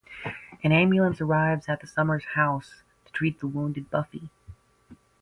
An ambulance arrives at the Summers' house to treat the wounded Buffy.